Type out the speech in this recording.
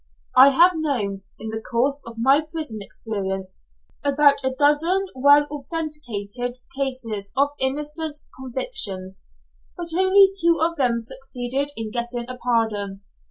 I have known, in the course of my prison experience, about a dozen well authenticated cases of innocent convictions, but only two of them succeeded in getting a pardon.